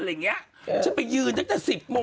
อะไรอย่างเงี้ยฉันไปยืนตั้งแต่๑๐โมง